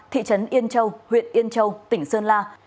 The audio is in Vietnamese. thị trấn yên châu huyện yên châu tỉnh sơn la